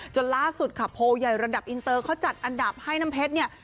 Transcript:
จนล่าสุดค่ะโพลใหญ่ระดับอินเตอร์เขาจัดอันดับให้น้ำเพชรเนี่ย